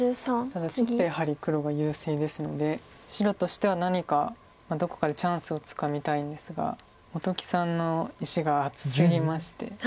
ただちょっとやはり黒が優勢ですので白としては何かどこかでチャンスをつかみたいんですが本木さんの石が厚すぎまして。